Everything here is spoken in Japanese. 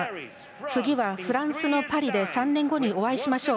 次はフランスのパリで３年後お会いしましょう。